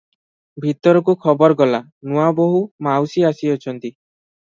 ଭିତରକୁ ଖବର ଗଲା, ନୂଆବୋହୂ ମାଉସୀ ଆସିଅଛନ୍ତି ।